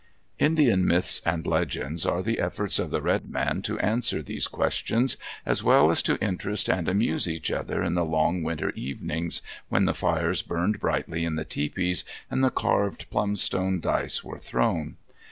Indian myths and legends are the efforts of the red men to answer these questions, as well as to interest and amuse each other in the long winter evenings when the fires burned brightly in the tepees and the carved plumstone dice were thrown.